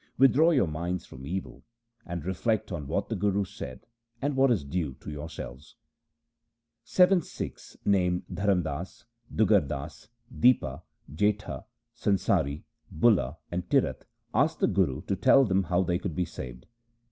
Withdraw your minds from evil, and reflect on what the Guru said and what is due to yourselves.' Seven Sikhs, named Dharam Das, Dugar Das, Dipa, Jetha, Sansari, Bula, and Tirath, asked the Guru to tell them how they could be saved.